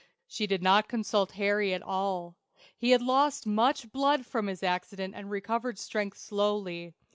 She did not consult Harry at all. He had lost much blood from his accident and recovered strength slowly.